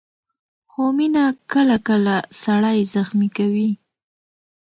خو مینه کله کله سړی زخمي کوي.